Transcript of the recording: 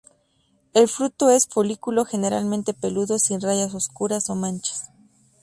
El fruto es un folículo generalmente peludo, sin rayas oscuras o manchas.